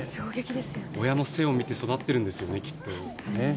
親の背を見て育ってるんですよね、きっと。